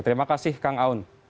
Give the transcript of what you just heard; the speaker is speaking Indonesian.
terima kasih kang aun